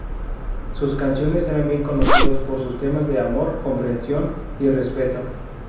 Sus canciones eran bien conocidos por sus temas de "amor, comprensión y respeto".